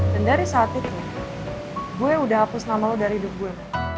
dan dari saat itu gue udah hapus nama lo dari hidup gue